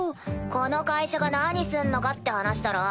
この会社が何すんのかって話だろ？